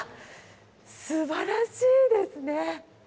すばらしいですね！